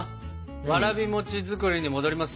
わらび餅作りに戻りますよ。